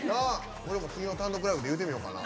俺も単独ライブで言ってみようかな。